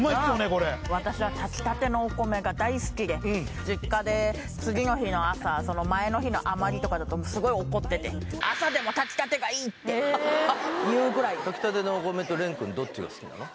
これ私は炊きたてのお米が大好きで実家で次の日の朝その前の日の余りとかだとスゴい怒っててって言うぐらい炊きたてのお米と蓮くんどっちが好きなの？